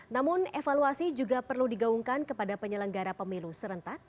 namun evaluasi juga perlu digaungkan kepada penyelenggara pemilu serentak